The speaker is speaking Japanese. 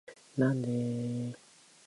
なんでーーー